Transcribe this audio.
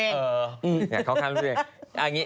อยากเข้าข้างลูกตัวเอง